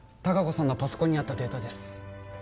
隆子さんのパソコンにあったデータです